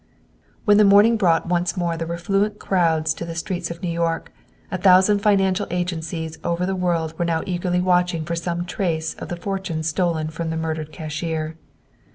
When the morning brought once more the refluent crowds to the streets of New York, a thousand financial agencies over the world were now eagerly watching for some trace of the fortune stolen from the murdered cashier.